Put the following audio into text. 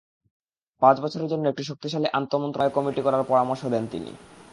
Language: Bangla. পাঁচ বছরের জন্য একটি শক্তিশালী আন্তমন্ত্রণালয় কমিটি করার পরামর্শ দেন তিনি।